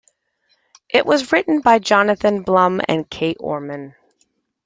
It was written by Jonathan Blum and Kate Orman.